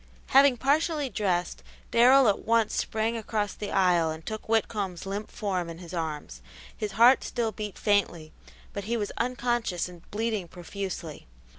Having partially dressed, Darrell at once sprang across the aisle and took Whitcomb's limp form in his arms. His heart still beat faintly, but he was unconscious and bleeding profusely.